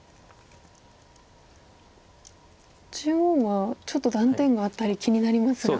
中央はちょっと断点があったり気になりますが。